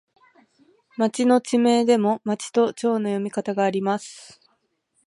町の地名でも、まちとちょうの読み方があります。